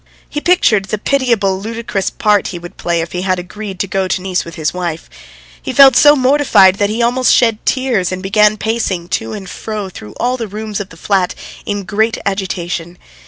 He pictured the pitiable, ludicrous part he would play if he had agreed to go to Nice with his wife. He felt so mortified that he almost shed tears and began pacing to and fro through all the rooms of the flat in great agitation.